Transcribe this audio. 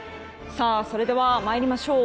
それでは、参りましょう。